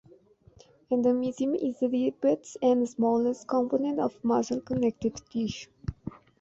Endomysium is the deepest and smallest component of muscle connective tissue.